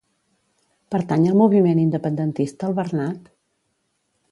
Pertany al moviment independentista el Bernat?